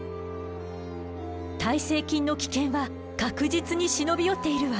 耐性菌の危険は確実に忍び寄っているわ。